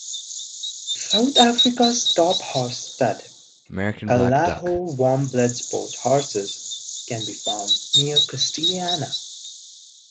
South Africa's top horse stud, Callaho Warmblood Sport Horses, can be found near Christiana.